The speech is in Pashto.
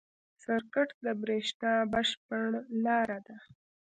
سرکټ د برېښنا بشپړ لاره ده.